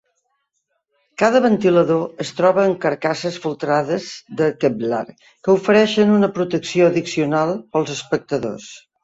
Cada ventilador es troba en carcasses folrades de Kevlar que ofereixen una protecció addicional pels espectadors.